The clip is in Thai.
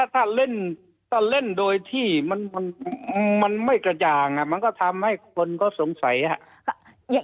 ถ้าเล่นโดยที่มันไม่กระจ่างมันก็ทำให้คนก็สงสัยค่ะ